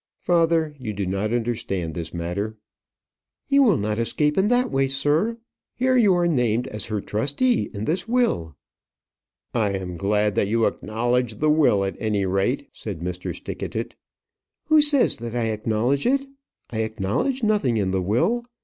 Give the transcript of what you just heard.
"Father, you do not understand this matter." "You will not escape in that way, sir. Here you are named as her trustee in this will " "I am glad that you acknowledge the will, at any rate," said Mr. Stickatit. "Who says that I acknowledge it? I acknowledge nothing in the will.